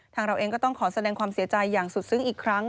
เราเองก็ต้องขอแสดงความเสียใจอย่างสุดซึ้งอีกครั้ง